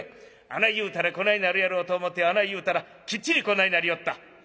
あない言うたらこないなるやろうと思ってあない言うたらきっちりこないなりよった」。